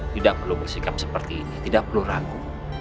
tidak perlu bersikap seperti ini tidak perlu ragu